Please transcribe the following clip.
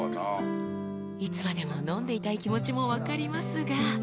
［いつまでも飲んでいたい気持ちも分かりますが］